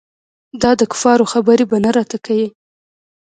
دا دکفارو خبرې به نه راته کيې.